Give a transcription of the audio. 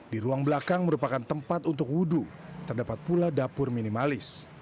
di ruang belakang merupakan tempat untuk wudhu terdapat pula dapur minimalis